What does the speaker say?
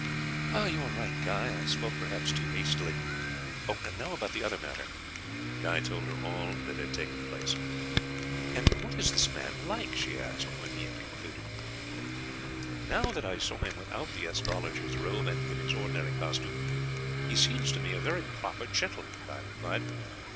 "You are right, Guy; I spoke perhaps too hastily. And now about the other matter." Guy told her all that had taken place. "And what is this man like?" she asked when he had concluded. "Now that I saw him without the astrologer's robe and in his ordinary costume he seemed to me a very proper gentleman," Guy replied.